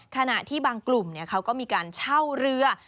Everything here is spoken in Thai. ขณะที่บางกลุ่มเขาก็มีการเช่าเรือ